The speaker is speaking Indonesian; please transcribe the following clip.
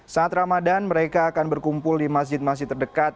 saat ramadan mereka akan berkumpul di masjid masjid terdekat